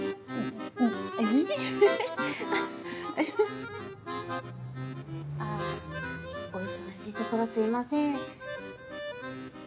あの大変お忙しいところすいません。